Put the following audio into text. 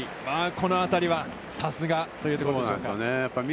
この辺りはさすがというところでしょうか。